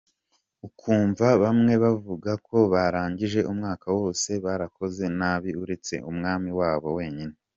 Ukumva bamwe bavungo ko barangije umwaka wose barakoze nabi ,uretse umwami wabo wenyine.